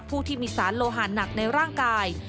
ผู้ที่มีสารโลหารหนักในร่างกาย